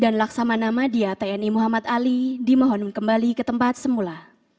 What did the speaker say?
dan laksamanama dia tni muhammad ali dimohon kembali ke tempat semula